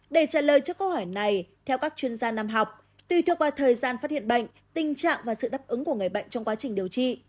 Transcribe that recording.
để trả lời cho câu hỏi này theo các chuyên gia nam học tùy thuộc vào thời gian phát hiện bệnh tình trạng và sự đáp ứng của người bệnh trong quá trình điều trị